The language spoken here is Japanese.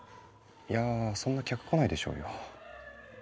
いやそんな客来ないでしょうよ。